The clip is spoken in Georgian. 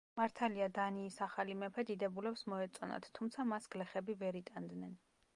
მართალია დანიის ახალი მეფე დიდებულებს მოეწონათ, თუმცა მას გლეხები ვერ იტანდნენ.